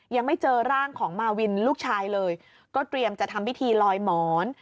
ยังไม่เจอร่างของมาวินลูกชายพี่หมอนเตรียมร้อยหมอน